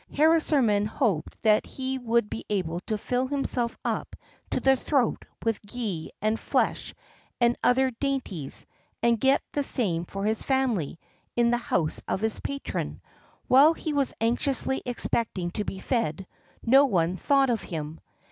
Harisarman hoped that he would be able to fill himself up to the throat with ghee and flesh and other dainties, and get the same for his family, in the house of his patron. While he was anxiously expecting to be fed, no one thought of him.